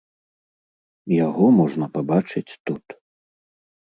Яго можна пабачыць тут.